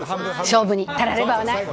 勝負にたらればはない。